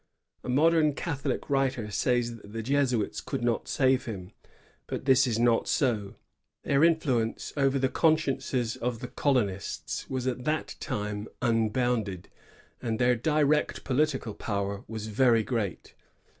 A modem Catholic writer says that the Jesuits could not saye him; but this is not so. Their influence oyer the consciences of the colonists was at that time unbounded, and their direct political power was yery great.